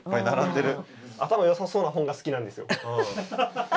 頭よさそうな本が好きなんですよ。